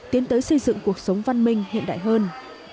tiến tới xây dựng cuộc sống văn minh hiện đại hơn